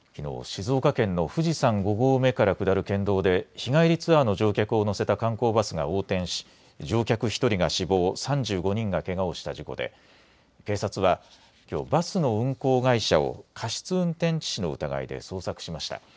静岡県の富士山５合目から下る県道で日帰りツアーの乗客を乗せた観光バスが横転し乗客１人が死亡、３５人がけがをした事故で警察はきょうバスの運行会社を過失運転致死の疑いで捜索しました。